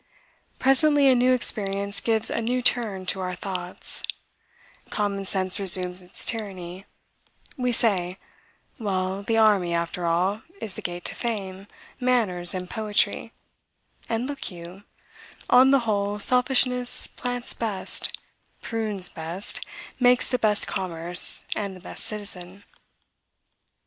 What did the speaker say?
Presently, a new experience gives a new turn to our thoughts: common sense resumes its tyranny: we say, "Well, the army, after all, is the gate to fame, manners, and poetry: and, look you, on the whole, selfishness plants best, prunes best, makes the best commerce, and the best citizen."